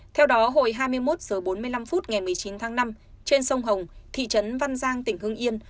theo đó hồi hai mươi một h bốn mươi năm phút ngày một mươi chín tháng năm trên sông hồng thị trấn văn giang tỉnh hưng yên